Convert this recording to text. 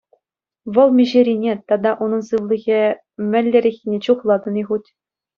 Вӑл миҫерине тата унӑн сывлӑхе мӗнлереххине чухлатӑн-и хуть?